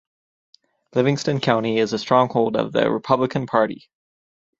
Livingston County is a stronghold of the Republican Party.